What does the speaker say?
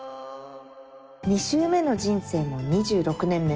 ２週目の人生の２６年目。